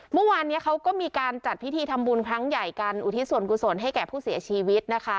เมื่อวานนี้เขาก็มีการจัดพิธีทำบุญครั้งใหญ่กันอุทิศส่วนกุศลให้แก่ผู้เสียชีวิตนะคะ